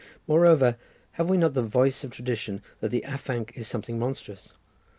Moreover, have we not the voice of tradition that the afanc was something monstrous?